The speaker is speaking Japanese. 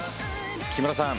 木村さん